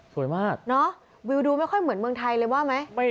สวยมากเนอะวิวดูไม่ค่อยเหมือนเมืองไทยเลยว่าไหม